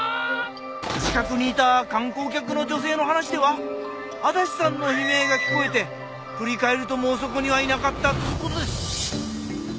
近くにいた観光客の女性の話では足立さんの悲鳴が聞こえて振り返るともうそこにはいなかったっつう事です。